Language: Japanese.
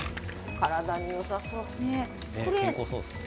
体によさそう。